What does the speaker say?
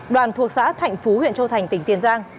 đoàn thuộc xã thạnh phú huyện châu thành tỉnh tiền giang